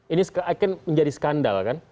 ini akan menjadi skandal kan